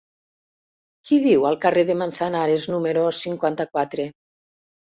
Qui viu al carrer de Manzanares número cinquanta-quatre?